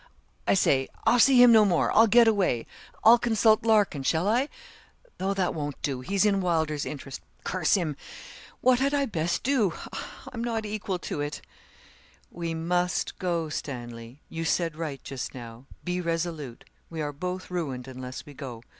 I say, I'll see him no more. I'll get away. I'll consult Larkin shall I? Though that won't do he's in Wylder's interest curse him. What had I best do? I'm not equal to it.' 'We must go, Stanley. You said right just now; be resolute we are both ruined unless we go.